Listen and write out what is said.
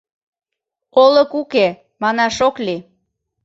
Олык уке, манаш ок лий.